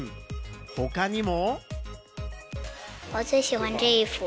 他にも。